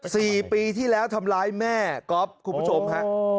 สี่ปีที่แล้วทำร้ายแม่ก๊อฟคุณผู้ชมฮะ